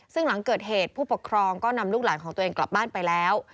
ซึ่งหลังเกิดเหตุผู้ปกครองก็นำลูกหลานของตัวเองกลับบ้านไปแล้ว